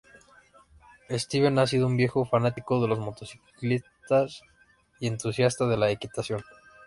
Steven ha sido un viejo fanático de las motocicletas y entusiasta de la equitación.